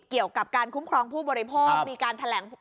เกี่ยวกับการคุ้มครองผู้บริโภคมีการแถลง